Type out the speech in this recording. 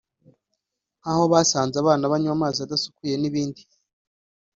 nk’aho basanze abana banywa amazi adasukuye n’ibindi